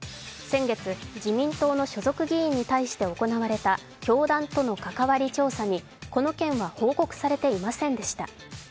先月、自民党の所属議員に対して行われた教団との関わり調査に、この件は報告されていませんでした。